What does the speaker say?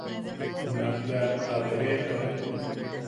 Junak bea a bejetuak.